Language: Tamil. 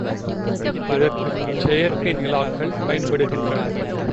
இதற்குச் செயற்கைநிலாக்கள் பயன்படுகின்றன.